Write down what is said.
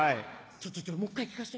ちょちょもう１回聞かして。